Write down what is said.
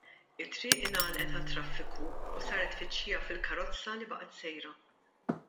It-triq ingħalqet għat-traffiku u saret tfittxija fil-karozza li baqgħet sejra.